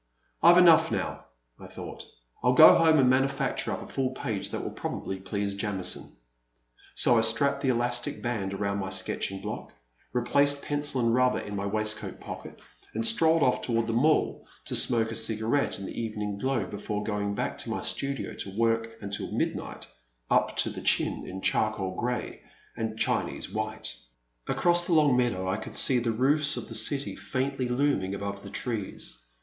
I 've enough now," I thought ; I 'U go home and manufacture a full page that will probably please Jamison." So I strapped the elastic band around my sketching block, replaced pencil and rubber in my waistcoat pocket, and strolled oflF toward the Mall to smoke a cigarette in the even ing glow before going back to my studio to work until midnight, up to the chin in charcoal grey and Chinese white. 320 A Pleasant Evening. Across the long meadow I could see the roofis of the ' city faintly looming above the trees.